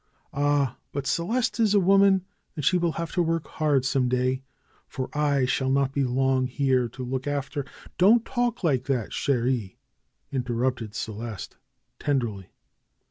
''Ah ! But Celeste is a woman, and she will have to work hard some day, for I shall not be long here to look after " "Don't talk like that, ch^rie!" interrupted Celeste tenderly.